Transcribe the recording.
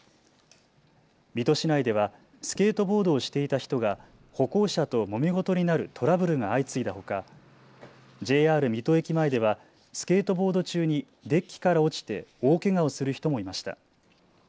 水戸市内ではスケートボードをしていた人が歩行者ともめ事になるトラブルが相次いだほかＪＲ水戸駅前ではスケートボード中にデッキから落ちて大けがをする人もいました。